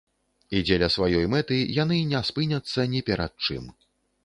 І дзеля сваёй мэты яны не спыняцца ні перад чым.